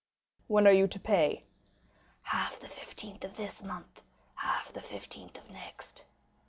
"When are you to pay?" "Half the 15th of this month, half the 15th of next."